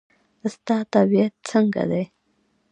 ستا طبیعت څنګه دی؟